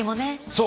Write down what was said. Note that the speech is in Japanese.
そう！